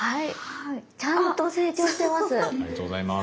ちゃんと成長してます。